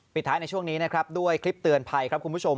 ท้ายในช่วงนี้นะครับด้วยคลิปเตือนภัยครับคุณผู้ชม